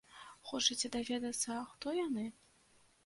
Хочаце даведацца, хто яны?